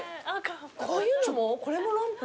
こういうのもこれもランプ？